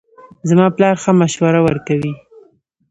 زما پلار ښه مشوره ورکوي